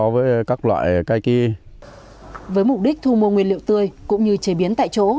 với mục đích thu mua nguyên liệu tươi cũng như chế biến tại chỗ